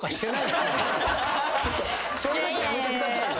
それだけはやめてくださいよ。